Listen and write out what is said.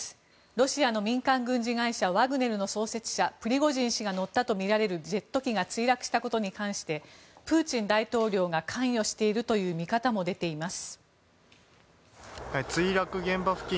ロシアの民間軍事会社ワグネルのプリゴジン氏が乗ったとみられるジェット機が墜落したことに関してプーチン大統領が関与しているという見方も強くなっています。